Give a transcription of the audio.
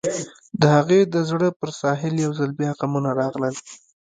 د هغې د زړه پر ساحل يو ځل بيا غمونه راغلل.